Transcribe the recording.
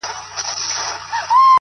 زړه مي له رباب سره ياري کوي،